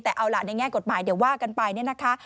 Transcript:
แต่เอาล่ะในแง่กฎหมายเดี๋ยวว่ากันไปเนี่ยนะคะ